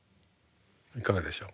いかがでしょう？